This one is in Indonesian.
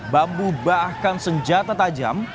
bambu bahkan senjata tajam